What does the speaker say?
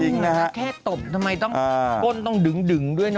ไม่มีเหมือนกันแค่ตบทำไมต้องก้นต้องดึงดึงด้วยเนอะ